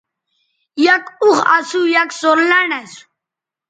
یک اوخ اسو آ یک سورلنڈ اسو